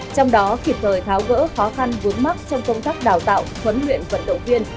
trong đó kịp thời tháo gỡ khó khăn vướng mắt trong công tác đào tạo huấn luyện vận động viên